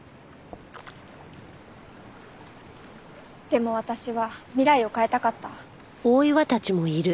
でも私は未来を変えたかった。